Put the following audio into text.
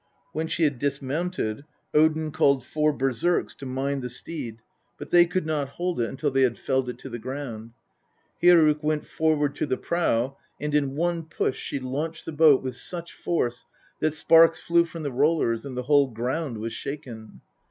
When she had dismounted Odin called four berserks to mind the steed, but they INTRODUCTION. LXIII could not hold it until they had felled it to the ground. Hyrrok went forward to the prow, and in one push she launched the boat with such force that sparks flew from the rollers, and the whole ground was shaken.